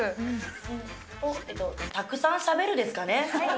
たくさんしゃべるですかね。